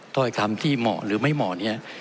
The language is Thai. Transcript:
ต้อยทำที่เหมาะหรือไม่เหมาะ